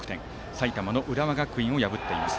埼玉の浦和学院を破っています。